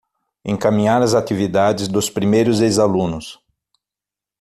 Encaminhar as atividades dos primeiros ex-alunos